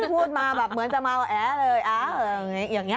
พูดมาเหมือนจะมาแหวะแอเลยอย่างนี้